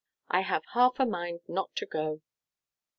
I have half a mind not to go."